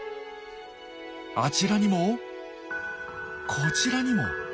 あちらにもこちらにも。